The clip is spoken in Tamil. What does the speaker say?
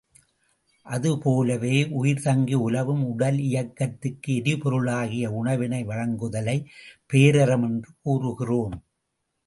அதுபோலவே, உயிர் தங்கி உலவும் உடலியக்கத்துக்கு எரிபொருளாகிய உணவினை வழங்குதலைப் பேரறம் என்று கூறுகிறோம்.